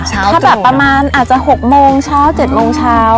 ถ้าแบบประมาณอาจจะ๖โมงเช้า๗โมงเช้า